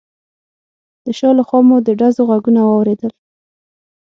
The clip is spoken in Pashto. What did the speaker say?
د شا له خوا مو د ډزو غږونه واورېدل.